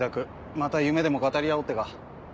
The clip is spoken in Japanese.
また夢でも語り合おうってか？